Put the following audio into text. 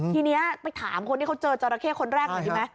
ทีนี้ไปถามคนที่เขาเจอจราเข้คนแรกหน่อยดีไหม